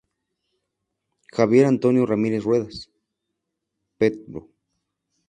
Javier Antonio Ramírez Ruelas, Pbro.